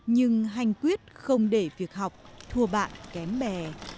nhưng hanh quyết không để việc học thua bạn kém bè